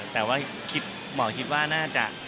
แต่ว่าหมอคิดว่าน่าจะ